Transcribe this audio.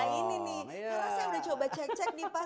karena saya udah coba cek cek nih pak